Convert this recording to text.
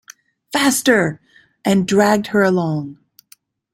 ‘Faster!’ and dragged her along.